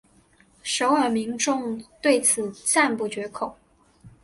首尔民众对此赞不绝口。